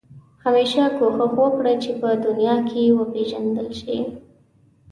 همېشه کوښښ وکړه چې په دنیا کې وپېژندل شې.